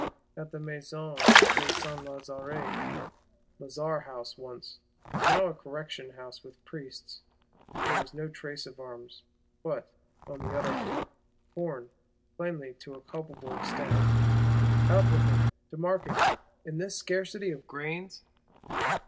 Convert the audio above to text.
At the Maison de Saint Lazare, Lazar House once, now a Correction House with Priests, there was no trace of arms; but, on the other hand, corn, plainly to a culpable extent. Out with it, to market; in this scarcity of grains!